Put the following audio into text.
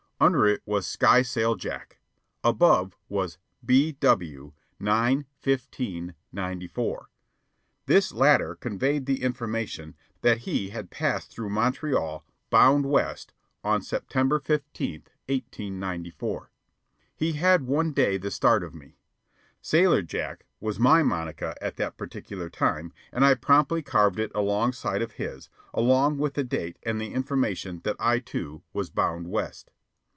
Under it was "Skysail Jack." Above was "B.W. 9 15 94." This latter conveyed the information that he had passed through Montreal bound west, on October 15, 1894. He had one day the start of me. "Sailor Jack" was my monica at that particular time, and promptly I carved it alongside of his, along with the date and the information that I, too, was bound west.